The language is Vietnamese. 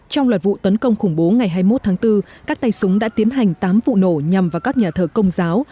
trong loạt vụ tấn công khủng bố ngày hai mươi một tháng bốn các tay súng đã tiến hành tám vụ nổ nhằm vào các nhà thờ công giáo